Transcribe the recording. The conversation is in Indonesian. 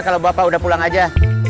kalau bapak udah pulang aja